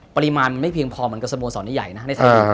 ปริมาณไม่เพียงพอเหมือนกับสโมสรใหญ่นะในไทย